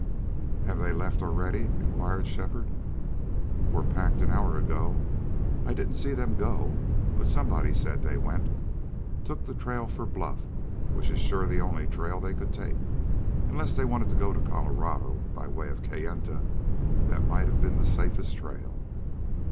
"Have they left already?" inquired Shefford. "Were packed an hour ago. I didn't see them go, but somebody said they went. Took the trail for Bluff, which sure is the only trail they could take, unless they wanted to go to Colorado by way of Kayenta. That might have been the safest trail."